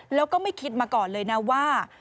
แล้วก็ไม่คิดมาก่อนเลยนะว่า